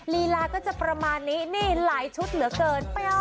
ลีลาก็จะประมาณนี้นี่หลายชุดเหลือเกิน